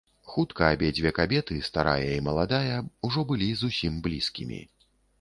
Хутка абедзве кабеты, старая і маладая, ужо былі зусім блізкімі.